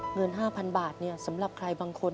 เงิน๕๐๐๐บาทสำหรับใครบางคน